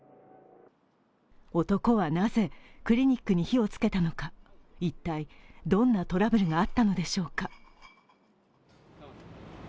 男はなぜクリニックに火をつけたのか一体どんなトラブルがあったのでしょうか。